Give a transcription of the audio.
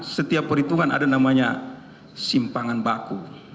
setiap perhitungan ada namanya simpangan baku